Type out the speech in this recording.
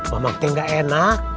mamang ce gak enak